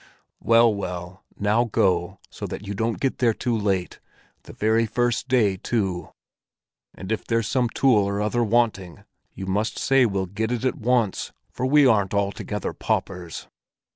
"Well, well, now go, so that you don't get there too late—the very first day, too. And if there's some tool or other wanting, you must say we'll get it at once, for we aren't altogether paupers!"